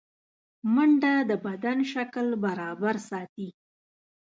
منډه د بدن شکل برابر ساتي